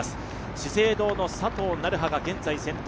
資生堂の佐藤成葉が現在先頭。